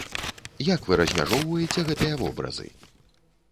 Як вы размяжоўваеце гэтыя вобразы?